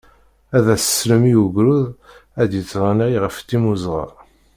ad as-teslem i ugrud ad yetɣenni ɣef timmuzɣa.